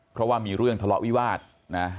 เพราะว่ามีเรื่องทะเลาะวิวาสนะ